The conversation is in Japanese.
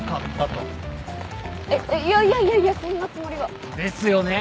えっいやいやいやいやそんなつもりは。ですよね。